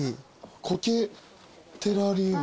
苔テラリウム。